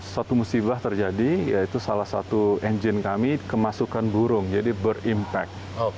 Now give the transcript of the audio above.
suatu musibah terjadi yaitu salah satu mesin kami kemasukan burung jadi berimpak